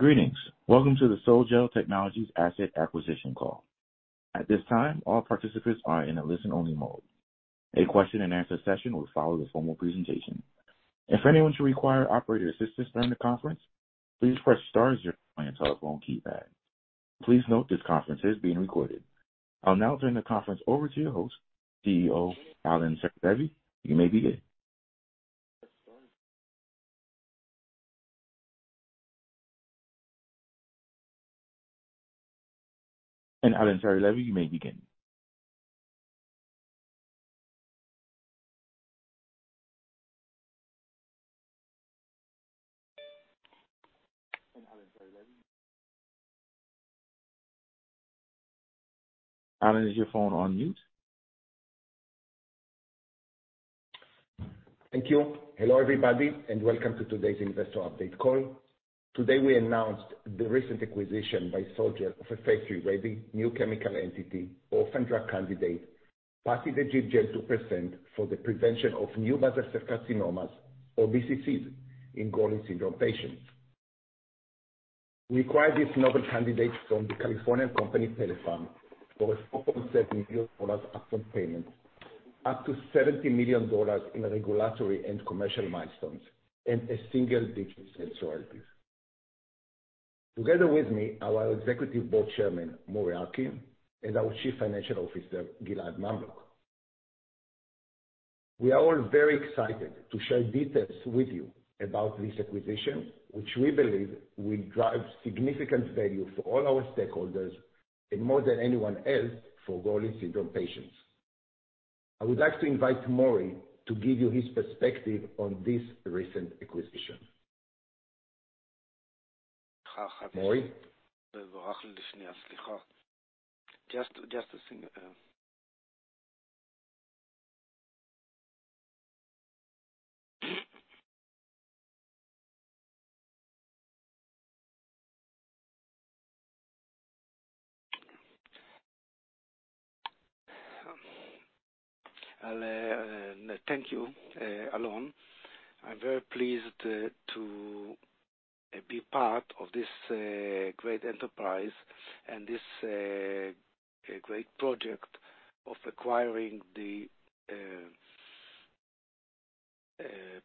Greetings. Welcome to the Sol-Gel Technologies Asset Acquisition Call. At this time, all participants are in a listen-only mode. A question-and-answer session will follow the formal presentation. If anyone should require operator assistance during the conference, please press star zero on your telephone keypad. Please note this conference is being recorded. I'll now turn the conference over to your host, CEO, Alon Seri-Levy. You may begin. Alon Seri-Levy, you may begin. Alon Seri-Levy. Alon, is your phone on mute? Thank you. Hello, everybody, welcome to today's investor update call. Today, we announced the recent acquisition by Sol-Gel of a phase III-ready new chemical entity, Orphan Drug candidate, patidegib gel 2% for the prevention of new basal cell carcinomas or BCCs in Gorlin syndrome patients. We acquired this novel candidate from the California company, PellePharm, for a $4.7 million upfront payment, up to $70 million in regulatory and commercial milestones and a single-digit royalties. Together with me, our Executive Board Chairman, Mori Arkin, and our Chief Financial Officer, Gilad Mamlok. We are all very excited to share details with you about this acquisition, which we believe will drive significant value for all our stakeholders and more than anyone else for Gorlin syndrome patients. I would like to invite Mori to give you his perspective on this recent acquisition. Mori? Just a second. Thank you, Alon. I am very pleased to be part of this great enterprise and this great project of acquiring the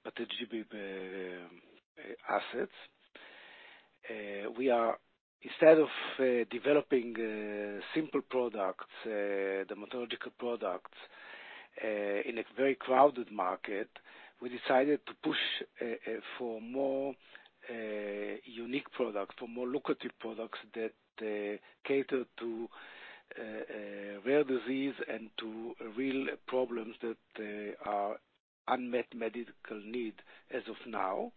patidegib assets. Instead of developing simple products, dermatological products in a very crowded market, we decided to push for more unique products, for more lucrative products that cater to rare disease and to real problems that are unmet medical need as of now.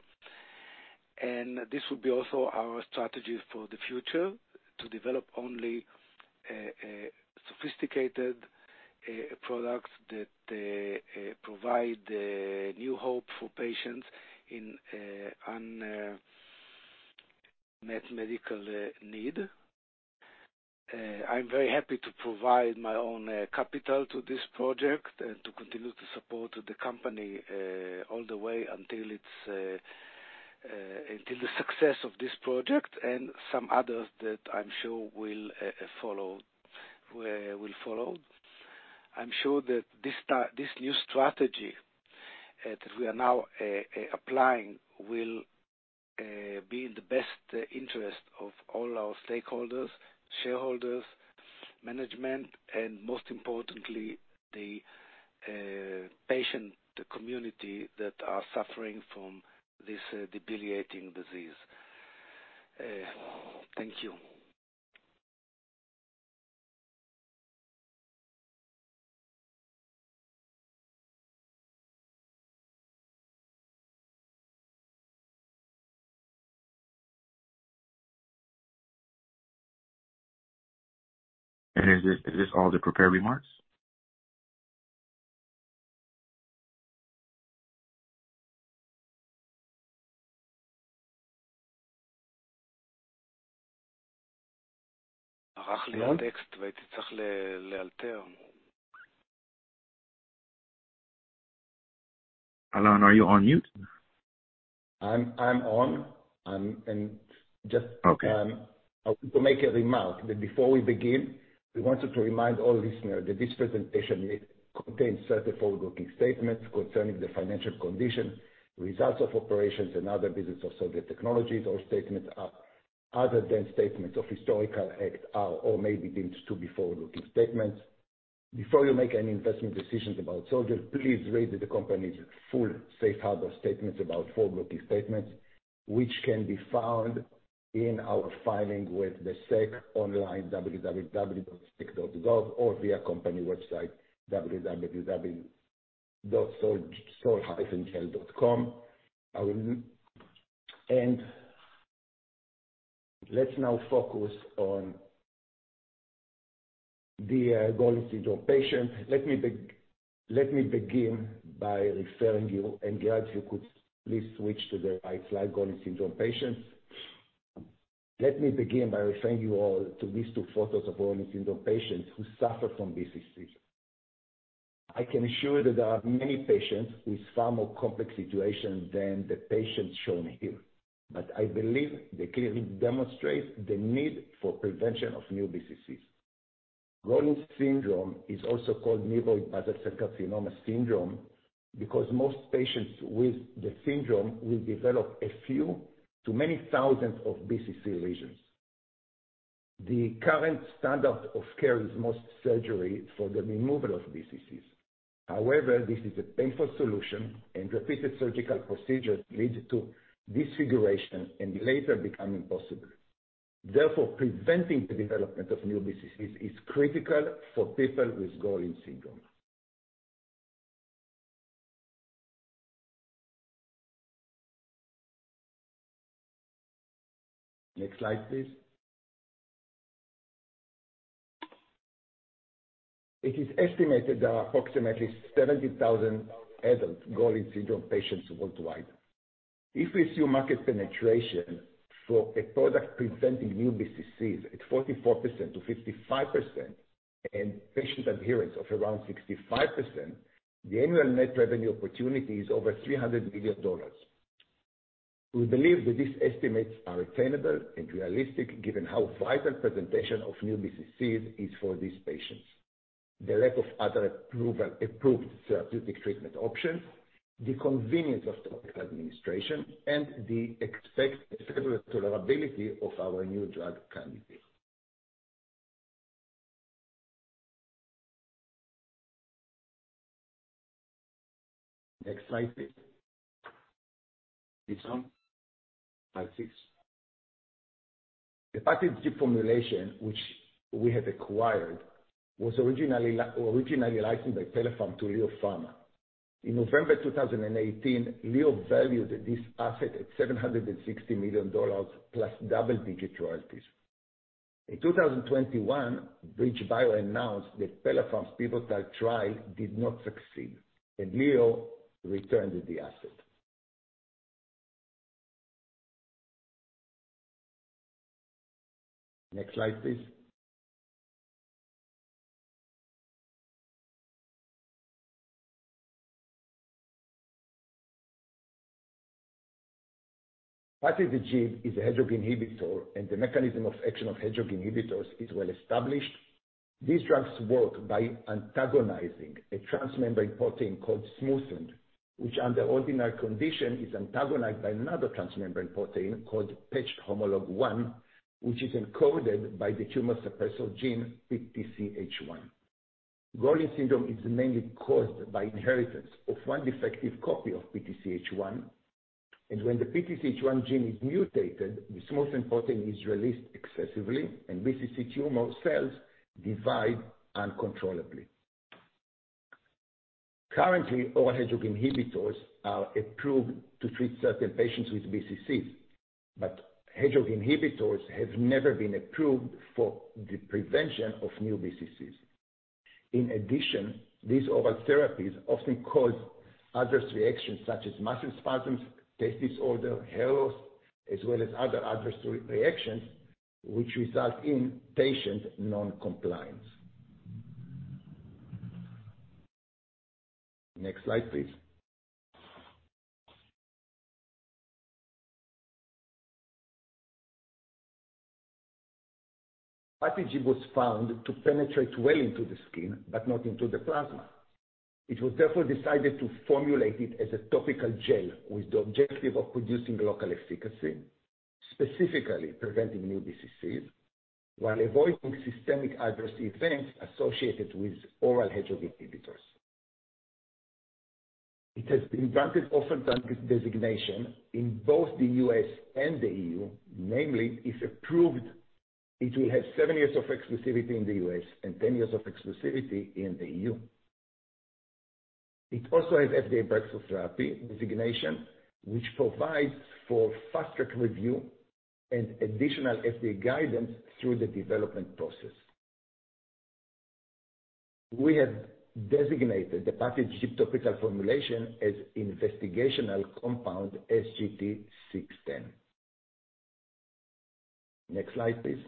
This will be also our strategy for the future, to develop only sophisticated products that provide new hope for patients in unmet medical need. I'm very happy to provide my own capital to this project and to continue to support the company all the way until the success of this project and some others that I'm sure will follow. I'm sure that this new strategy that we are now applying will be in the best interest of all our stakeholders, shareholders, management, and most importantly, the patient community that are suffering from this debilitating disease. Thank you. Is this all the prepared remarks? Mori? Alon, are you on mute? I'm on. Okay. I want to make a remark that before we begin, we wanted to remind all listeners that this presentation contains certain forward-looking statements concerning the financial condition, results of operations, and other business of Sol-Gel Technologies. All statements other than statements of historical fact are or may be deemed to be forward-looking statements. Before you make any investment decisions about Sol-Gel, please read the Company's Full Safe Harbor statements about forward-looking statements, which can be found in our filing with the SEC online, www.sec.gov, or via our company website, www.sol-gel.com. Let's now focus on the Gorlin syndrome patient. Let me begin by referring you, and, Gilad, you could please switch to the right slide, Gorlin syndrome patients. Let me begin by referring you all to these two photos of Gorlin syndrome patients who suffer from BCC. I can assure you that there are many patients with far more complex situations than the patients shown here, but I believe they clearly demonstrate the need for prevention of new BCC. Gorlin syndrome is also called nevoid basal cell carcinoma syndrome because most patients with the syndrome will develop a few to many thousands of BCC lesions. The current standard of care is most surgery for the removal of BCC. This is a painful solution, and repeated surgical procedures lead to disfiguration and later become impossible. Preventing the development of new BCCs is critical for people with Gorlin syndrome. Next slide, please. It is estimated there are approximately 70,000 adult Gorlin syndrome patients worldwide. If we assume market penetration for a product preventing new BCC at 44%-55% and patient adherence of around 65%, the annual net revenue opportunity is over $300 million. We believe that these estimates are attainable and realistic given how vital prevention of new BCC is for these patients. The lack of other approved therapeutic treatment options, the convenience of topical administration, and the expected tolerability of our new drug candidate. Next slide, please. It's on? Slide six. The patidegib formulation, which we have acquired, was originally licensed by PellePharm to LEO Pharma. In November 2018, LEO valued this asset at $760 million plus double-digit royalties. In 2021, BridgeBio announced that PellePharm's pivotal trial did not succeed, and LEO returned the asset. Next slide, please. Patidegib is a Hedgehog inhibitor, and the mechanism of action of Hedgehog inhibitors is well-established. These drugs work by antagonizing a transmembrane protein called Smoothened, which under ordinary conditions is antagonized by another transmembrane protein called Patched homolog 1, which is encoded by the tumor suppressor gene, PTCH1. Gorlin syndrome is mainly caused by inheritance of one defective copy of PTCH1. When the PTCH1 gene is mutated, the Smoothened protein is released excessively, and BCC tumor cells divide uncontrollably. Currently, all Hedgehog inhibitors are approved to treat certain patients with BCCs, but Hedgehog inhibitors have never been approved for the prevention of new BCCs. In addition, these oral therapies often cause adverse reactions such as muscle spasms, taste disorder, hair loss, as well as other adverse reactions which result in patient noncompliance. Next slide, please. Patidegib was found to penetrate well into the skin but not into the plasma. It was therefore decided to formulate it as a topical gel with the objective of producing local efficacy, specifically preventing new BCCs while avoiding systemic adverse events associated with oral Hedgehog inhibitors. It has been granted Orphan Drug Designation in both the U.S. and the E.U. Namely, if approved, it will have seven years of exclusivity in the U.S. and 10 years of exclusivity in the E.U. It also has FDA Breakthrough Therapy designation, which provides for fast-track review and additional FDA guidance through the development process. We have designated the patidegib topical formulation as investigational compound SGT-610. Next slide, please.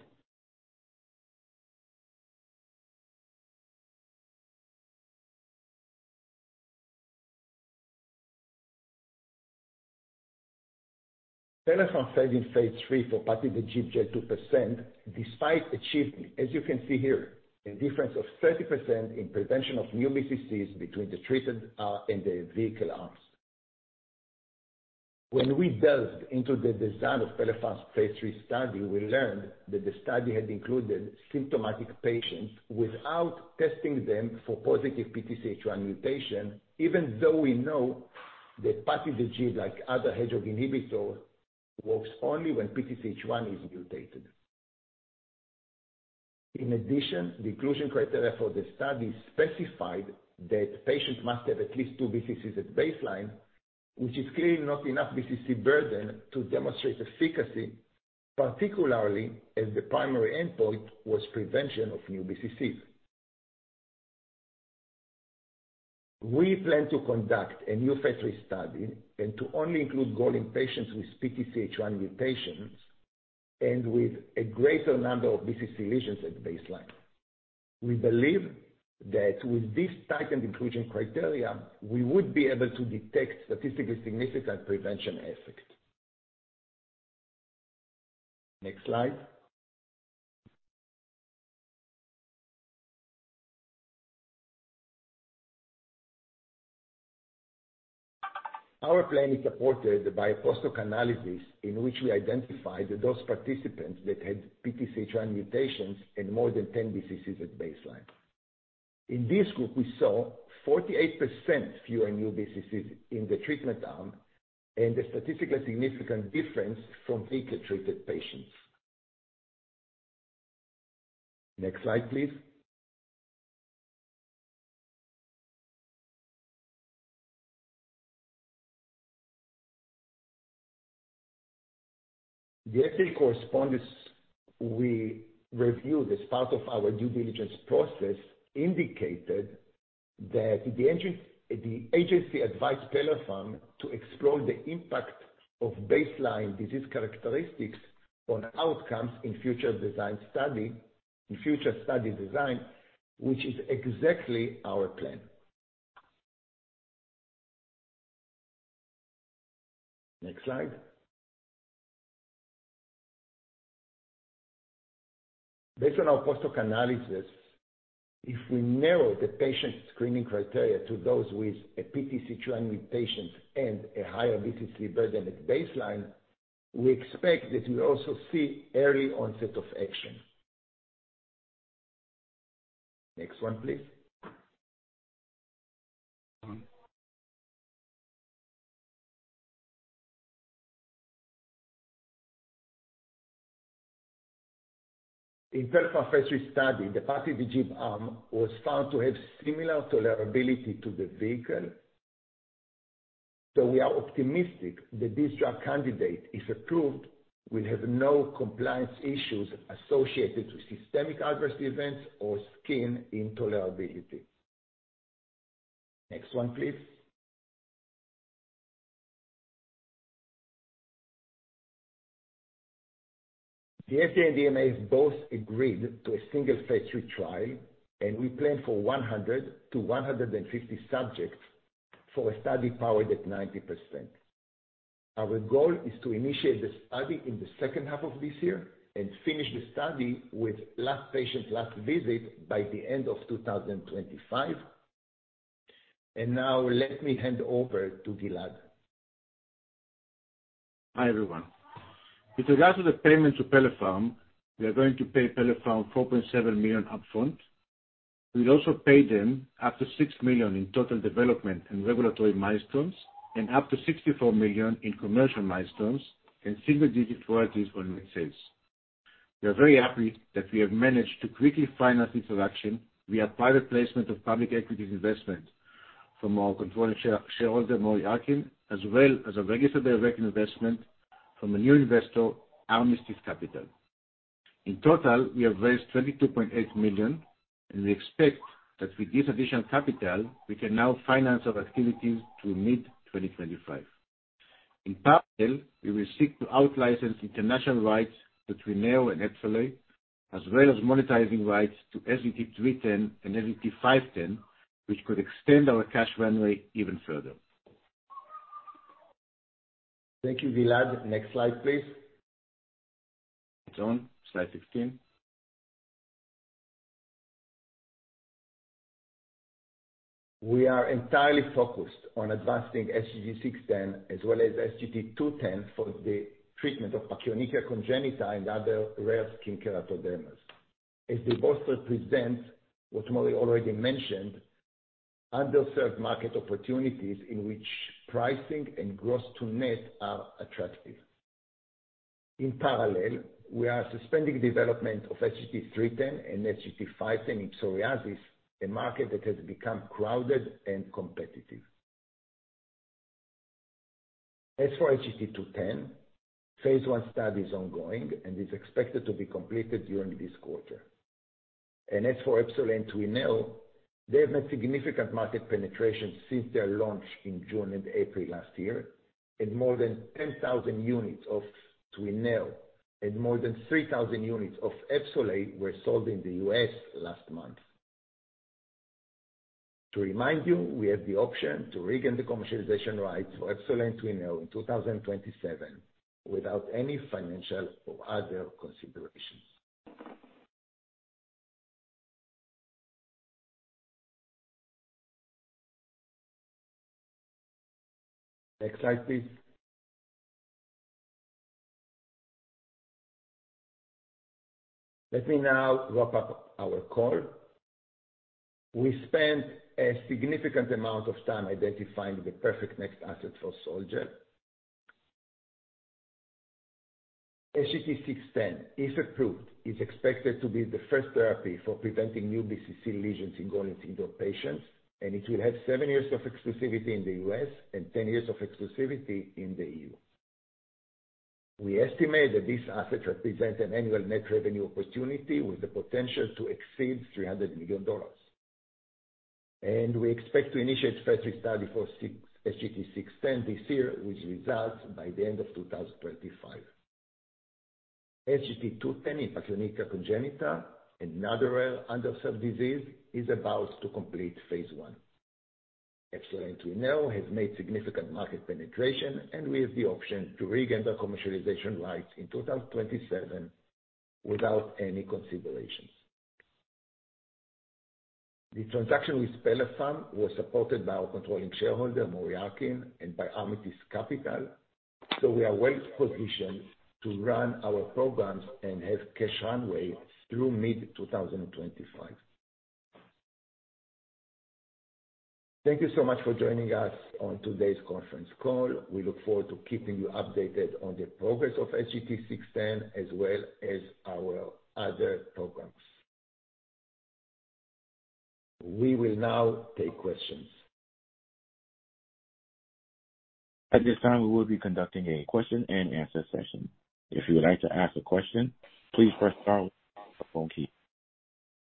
PellePharm failed in phase III for patidegib gel 2% despite achieving, as you can see here, a difference of 30% in prevention of new BCCs between the treated and the vehicle arms. When we delved into the design of PellePharm's phase III study, we learned that the study had included symptomatic patients without testing them for positive PTCH1 mutation, even though we know that patidegib, like other Hedgehog inhibitors, works only when PTCH1 is mutated. In addition, the inclusion criteria for the study specified that patients must have at least two BCCs at baseline, which is clearly not enough BCC burden to demonstrate efficacy, particularly as the primary endpoint was prevention of new BCCs. We plan to conduct a new phase III study and to only include Gorlin patients with PTCH1 mutations and with a greater number of BCC lesions at baseline. We believe that with this type of inclusion criteria, we would be able to detect statistically significant prevention effects. Next slide. Our plan is supported by a post-hoc analysis in which we identified those participants that had PTCH1 mutations and more than 10 BCCs at baseline. In this group, we saw 48% fewer new BCCs in the treatment arm and a statistically significant difference from vehicle-treated patients. Next slide, please. The FDA correspondence we reviewed as part of our due diligence process indicated that the agency advised PellePharm to explore the impact of baseline disease characteristics on outcomes in future study design, which is exactly our plan. Next slide. Based on our post-hoc analysis, if we narrow the patient screening criteria to those with a PTCH1 mutation and a higher BCC burden at baseline, we expect that we also see early onset of action. Next one, please. In terms of phase III study, the patidegib arm was found to have similar tolerability to the vehicle. We are optimistic that this drug candidate, if approved, will have no compliance issues associated with systemic adverse events or skin intolerability. Next one, please. The FDA and EMA have both agreed to a single phase III trial, and we plan for 100 to 150 subjects for a study powered at 90%. Our goal is to initiate the study in the second half of this year and finish the study with last patient, last visit by the end of 2025. Now let me hand over to Gilad. Hi, everyone. With regards to the payment to PellePharm, we are going to pay PellePharm $4.7 million upfront. We'll also pay them up to $6 million in total development and regulatory milestones and up to $64 million in commercial milestones and single-digit royalties on net sales. We are very happy that we have managed to quickly finance this transaction via private placement of public equity investment from our controlling shareholder, Mori Arkin, as well as a registered direct investment from a new investor, Armistice Capital. In total, we have raised $22.8 million, and we expect that with this additional capital, we can now finance our activities to mid-2025. In parallel, we will seek to out-license international rights to TWYNEO and EPSOLAY, as well as monetizing rights to SGT-310 and SGT-510, which could extend our cash runway even further. Thank you, Gilad. Next slide, please. It's on. Slide 15. We are entirely focused on advancing SGT-610 as well as SGT-210 for the treatment of pachyonychia congenita and other rare skin keratodermas. They both represent what Mori already mentioned, underserved market opportunities in which pricing and gross to net are attractive. In parallel, we are suspending development of SGT-310 and SGT-510 in psoriasis, a market that has become crowded and competitive. As for SGT-210, phase I study is ongoing and is expected to be completed during this quarter. As for EPSOLAY and TWYNEO, they have made significant market penetration since their launch in June and April last year, and more than 10,000 units of TWYNEO and more than 3,000 units of EPSOLAY were sold in the U.S. last month. To remind you, we have the option to regain the commercialization rights for EPSOLAY and TWYNEO in 2027 without any financial or other considerations. Next slide, please. Let me now wrap up our call. We spent a significant amount of time identifying the perfect next asset for Sol-Gel. SGT-610, if approved, is expected to be the first therapy for preventing new BCC lesions in Gorlin syndrome patients. It will have seven years of exclusivity in the U.S. and 10 years of exclusivity in the E.U. We estimate that this asset represents an annual net revenue opportunity with the potential to exceed $300 million. We expect to initiate phase III study for SGT-610 this year, with results by the end of 2025. SGT-210 in pachyonychia congenita, another rare underserved disease, is about to complete phase I. Excellent, we know has made significant market penetration, and we have the option to regain the commercialization rights in 2027 without any considerations. The transaction with PellePharm was supported by our controlling shareholder, Mori Arkin, and by Armistice Capital. We are well-positioned to run our programs and have cash runway through mid-2025. Thank you so much for joining us on today's conference call. We look forward to keeping you updated on the progress of SGT-610 as well as our other programs. We will now take questions. At this time, we will be conducting a question and answer session. If you would like to ask a question, please press star one.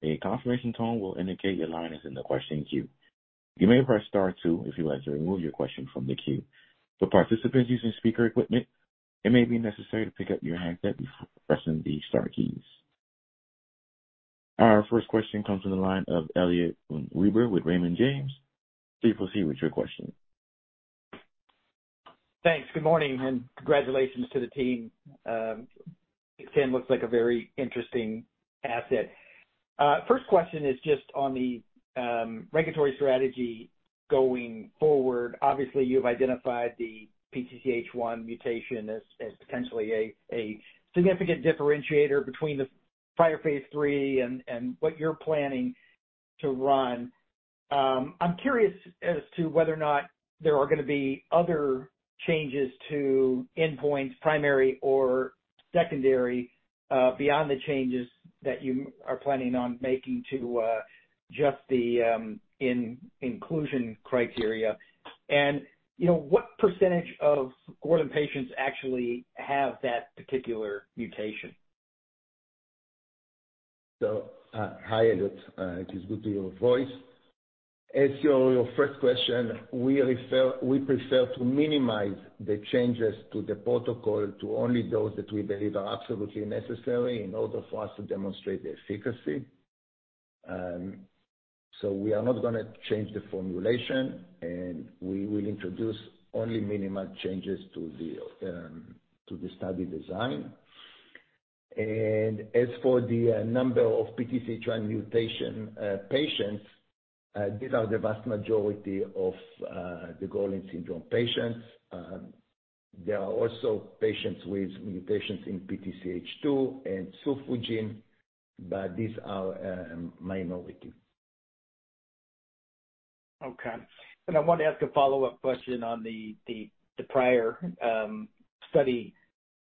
A confirmation tone will indicate your line is in the question queue. You may press star two if you would like to remove your question from the queue. For participants using speaker equipment, it may be necessary to pick up your handset before pressing the star keys. Our first question comes from the line of Elliot Wilbur with Raymond James. Please proceed with your question. Thanks. Good morning and congratulations to the team. ten looks like a very interesting asset. First question is just on the regulatory strategy going forward. Obviously, you've identified the PTCH1 mutation as potentially a significant differentiator between the prior phase III and what you're planning to run. I'm curious as to whether or not there are gonna be other changes to endpoints, primary or secondary, beyond the changes that you are planning on making to just the inclusion criteria. You know, what percentage of Gorlin patients actually have that particular mutation? Hi, Elliot. It is good to hear your voice. As your first question, we prefer to minimize the changes to the protocol to only those that we believe are absolutely necessary in order for us to demonstrate the efficacy. We are not gonna change the formulation, and we will introduce only minimal changes to the study design. As for the number of PTCH1 mutation patients, these are the vast majority of the Gorlin syndrome patients. There are also patients with mutations in PTCH2 and SUFU gene, but these are minority. Okay. I want to ask a follow-up question on the prior study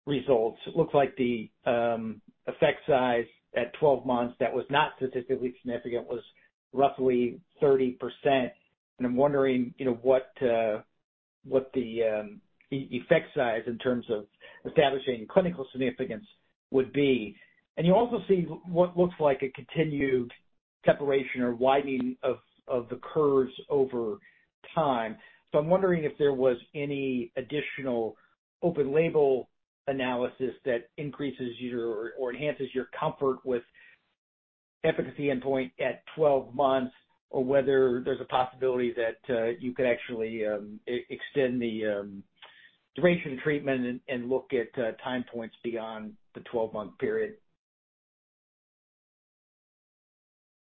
results. It looks like the effect size at 12 months that was not statistically significant was roughly 30%. I'm wondering, you know, what the effect size in terms of establishing clinical significance would be. You also see what looks like a continued separation or widening of the curves over time. I'm wondering if there was any additional open label analysis that increases your or enhances your comfort with efficacy endpoint at 12 months or whether there's a possibility that you could actually extend the duration of treatment and look at time points beyond the 12-month period.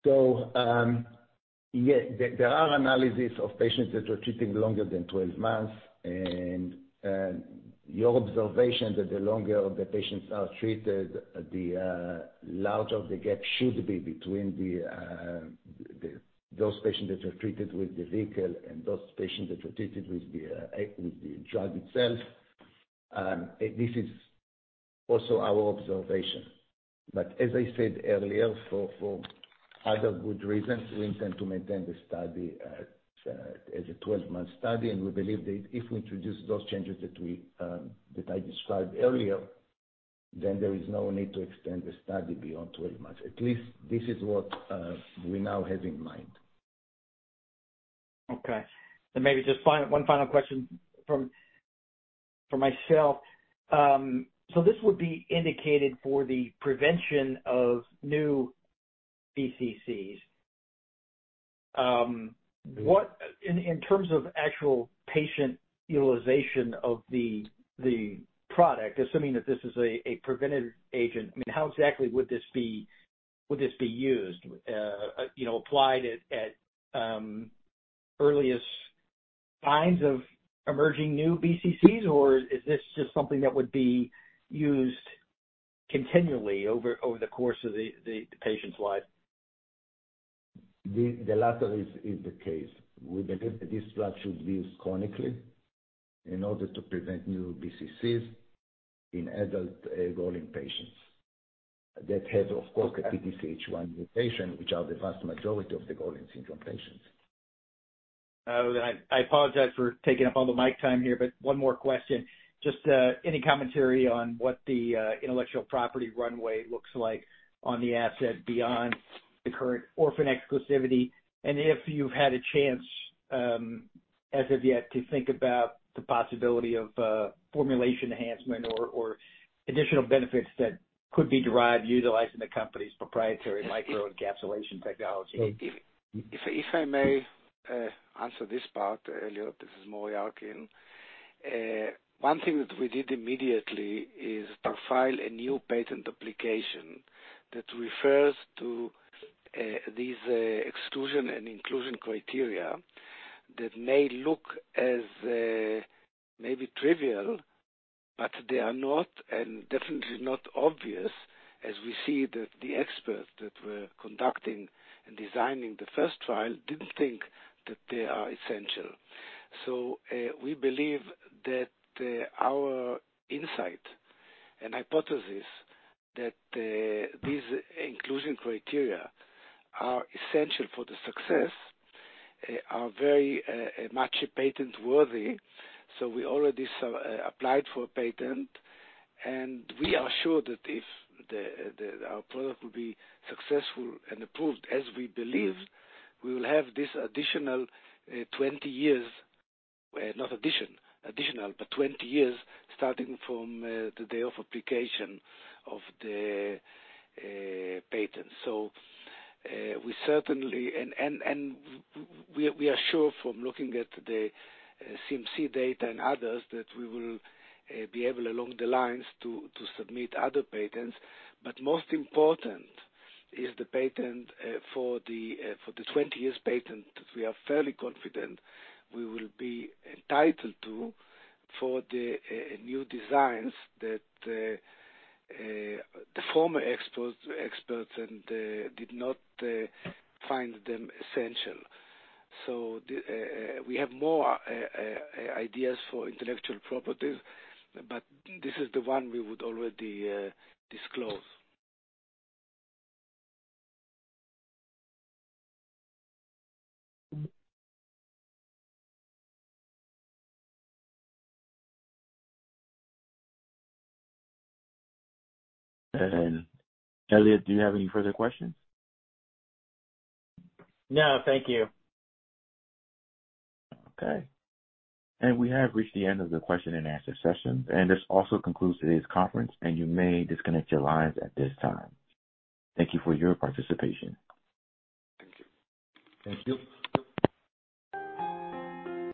Yeah. There are analysis of patients that are treating longer than 12 months. Your observation that the longer the patients are treated, the larger the gap should be between the those patients that were treated with the vehicle and those patients that were treated with the drug itself. This is also our observation. As I said earlier, for other good reasons, we intend to maintain the study as a 12-month study. We believe that if we introduce those changes that we that I described earlier, then there is no need to extend the study beyond 12 months. At least this is what we now have in mind. Okay, maybe just one final question for myself. This would be indicated for the prevention of new BCCs. In terms of actual patient utilization of the product, assuming that this is a preventive agent, I mean, how exactly would this be used, you know, applied at earliest signs of emerging new BCCs? Is this just something that would be used continually over the course of the patient's life? The latter is the case. We believe that this drug should be used chronically in order to prevent new BCCs in adult Gorlin patients that have, of course, a PTCH1 mutation, which are the vast majority of the Gorlin syndrome patients. I apologize for taking up all the mic time here, but one more question. Just any commentary on what the intellectual property runway looks like on the asset beyond the current orphan exclusivity? If you've had a chance, as of yet to think about the possibility of formulation enhancement or additional benefits that could be derived utilizing the company's proprietary microencapsulation technology. If I may, answer this part, Elliot. This is Mori Arkin. One thing that we did immediately is to file a new patent application that refers to these exclusion and inclusion criteria that may look as maybe trivial, but they are not and definitely not obvious as we see that the experts that were conducting and designing the first trial didn't think that they are essential. We believe that our insight and hypothesis that these inclusion criteria are essential for the success are very much patent-worthy, so we already sub-applied for a patent. We are sure that if our product will be successful and approved, as we believe, we will have this additional 20 years, not addition, additional, but 20 years starting from the day of application of the patent. We certainly. We are sure from looking at the CMC data and others that we will be able along the lines to submit other patents. Most important is the patent for the 20 years patent, we are fairly confident we will be entitled to for the new designs that the former experts and did not find them essential. We have more ideas for intellectual properties, but this is the one we would already disclose. Elliot, do you have any further questions? No, thank you. Okay. We have reached the end of the question and answer session. This also concludes today's conference, and you may disconnect your lines at this time. Thank you for your participation. Thank you. Thank you.